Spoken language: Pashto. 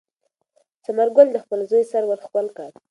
ثمر ګل د خپل زوی سر ور ښکل کړ.